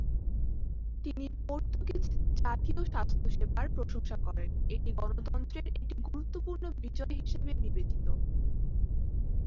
তিনি পর্তুগিজ জাতীয় স্বাস্থ্যসেবার প্রশংসা করেন, এটি গণতন্ত্রের একটি গুরুত্বপূর্ণ বিজয় হিসাবে বিবেচিত।